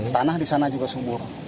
tanah di sana juga subur